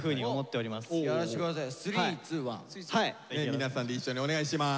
皆さんで一緒にお願いします。